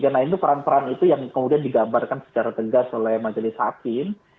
nah itu peran peran itu yang kemudian digambarkan secara tegas oleh majelis hakim